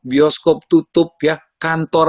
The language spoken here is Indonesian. bioskop tutup ya kantor